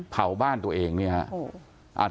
เผาบ้านตัวเองเนี่ยครับ